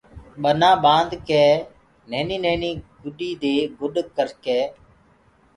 ٻنآ ٻآندڪي نهيني نهيني گدي دي گُڏ ڪرڪي